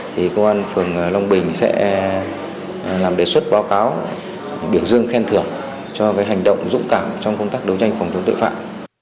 thì công an phường long bình sẽ làm đề xuất báo cáo biểu dương khen thưởng cho cái hành động dũng cảm trong công tác đấu tranh phòng chống tội phạm